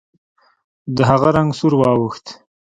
د هغه رنګ سور واوښت.